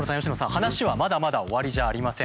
話はまだまだ終わりじゃありません。